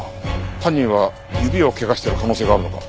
犯人は指を怪我してる可能性があるのか？